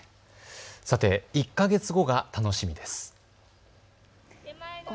さて、１か月後が楽しみです。